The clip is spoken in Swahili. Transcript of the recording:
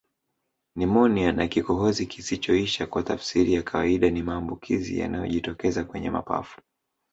Nimonia na kikohozi kisichoisha kwa tafsiri ya kawaida ni maambukizi yanayojitokeza kwenye mapafu